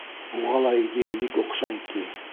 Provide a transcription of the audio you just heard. Уға ла идея бик оҡшай, ти.